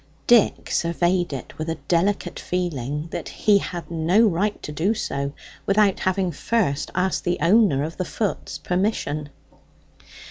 Dick surveyed it with a delicate feeling that he had no right to do so without having first asked the owner of the foot's permission.